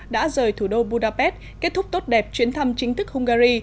đã rời thủ đô budapest kết thúc tốt đẹp chuyến thăm chính thức hungary